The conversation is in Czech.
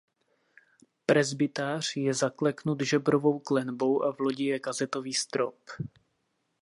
Presbytář je zaklenut žebrovou klenbou a v lodi je kazetový strop.